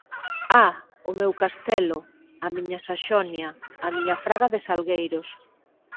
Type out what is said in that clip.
Ah! O meu castelo, a miña Saxonia, a miña fraga de salgueiros.